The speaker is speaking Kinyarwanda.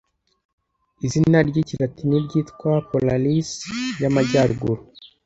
Izina ry'ikilatini ryitwa Polaris y'Amajyaruguru